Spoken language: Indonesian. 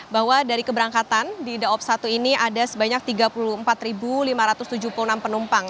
bahwa dari keberangkatan di daob satu ini ada sebanyak tiga puluh empat lima ratus tujuh puluh enam penumpang